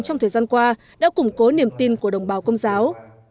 trong thời gian qua đã củng cố niềm tin của đồng bào công giáo